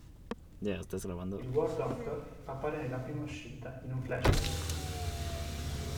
Il War Doctor appare nella prima uscita, in un flashback.